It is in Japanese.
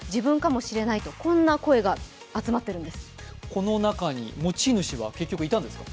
この中に持ち主が結局いたんですか？